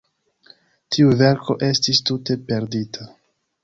Tiu verko estis tute perdita!